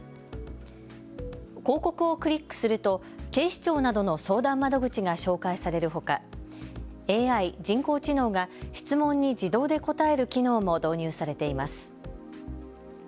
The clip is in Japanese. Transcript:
広告をクリックすると警視庁などの相談窓口が紹介されるほか、ＡＩ・人工知能が質問に自動で答える機能も導入されています。